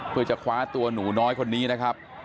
เพื่อจะคว้าตัวหนูน้อยคนนี้นะครับ